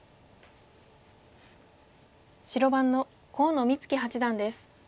白番の河野光樹八段です。